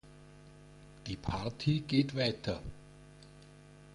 Die Party geht weiter.